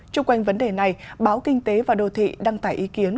trung quanh vấn đề này báo kinh tế và đô thị đăng tải ý kiến